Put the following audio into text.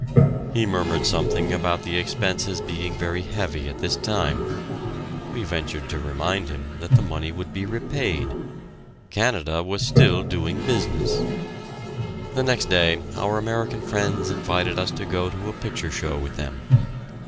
He murmured something about the expenses being very heavy at this time. We ventured to remind him that the money would be repaid Canada was still doing business! The next day our American friends invited us to go to a picture show with them.